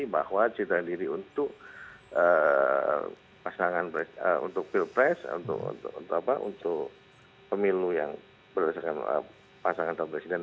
bahwa citra diri untuk pasangan untuk pilpres untuk pemilu yang berdasarkan pasangan calon presiden